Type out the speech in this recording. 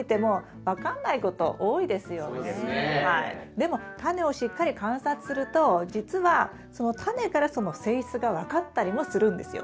でもタネをしっかり観察するとじつはそのタネからその性質が分かったりもするんですよ。